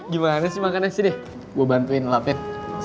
gimana sih makannya sini gue bantuin elapin